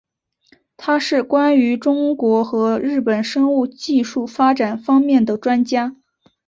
他是关于中国和日本生物技术发展方面的专家。